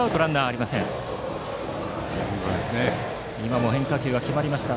今も変化球が決まりました。